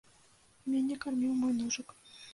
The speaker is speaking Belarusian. Мяне карміў мой ножык.